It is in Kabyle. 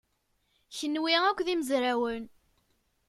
Kenwi akk d imezrawen.